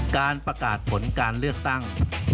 การประกาศผลการเลือกตั้ง